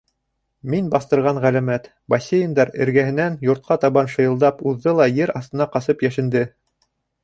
Мин баҫтырған ғәләмәт... бассейндар эргәһенән йортҡа табан шыйылдап уҙҙы ла ер аҫтына ҡасып йәшенде.